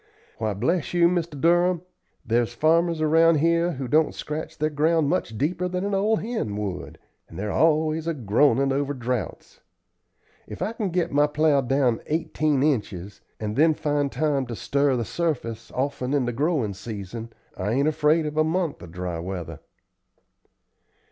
Why, bless you, Mr. Durham, there's farmers around here who don't scratch their ground much deeper than an old hen would, and they're always groanin' over droughts. If I can get my plow down eighteen inches, and then find time to stir the surface often in the growin' season, I ain't afraid of a month of dry weather."